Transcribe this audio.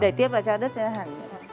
đẩy tiếp vào cho nó đứt hẳn